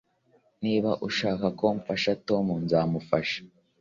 Niba ushaka ko mfasha Tom nzamufasha